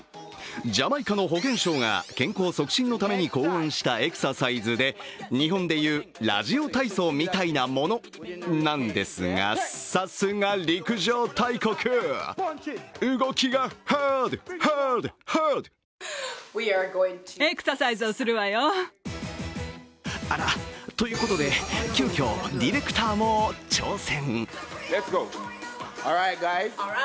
ジャマイカの保健省が健康促進のために考案したエクササイズで日本でいうラジオ体操みたいなものなんですが、さすが陸上大国、動きがハード、ハード、ハード！あら、ということで急きょ、ディレクターも挑戦。